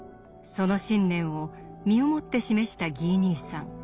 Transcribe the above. その信念を身をもって示したギー兄さん。